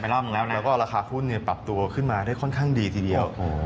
แล้วก็ราคาหุ้นปรับตัวขึ้นมาได้ค่อนข้างดีทีเดียว